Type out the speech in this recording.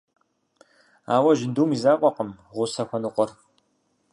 Ауэ жьындум и закъуэкъым гъусэ хуэныкъуэр.